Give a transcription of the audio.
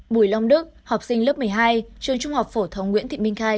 bùi long đức học sinh lớp một mươi hai trường trung học phổ thông nguyễn thị minh khai